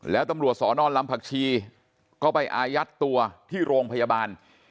แล้วตำรวจสอนอนลำผักชีก็ไปอายัดตัวที่โรงพยาบาล